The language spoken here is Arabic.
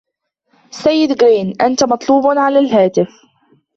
سيد غرين ، أنت مطلوب على الهاتف.